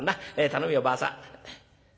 頼むよばあさん。